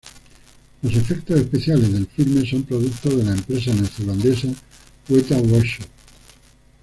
Los efectos especiales del filme son producto de la empresa neozelandesa Weta Workshop.